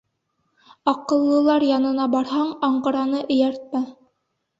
Аҡыллылар янына барһаң, аңғыраны эйәртмә.